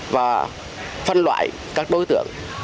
và phân loại các đối tượng